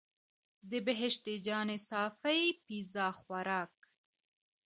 د بهشته جانې صافی پیزا خوراک.